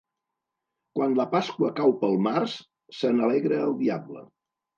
Quan la Pasqua cau pel març, se n'alegra el diable.